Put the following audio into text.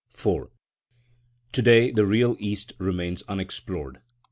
IV To day the real East remains unexplored.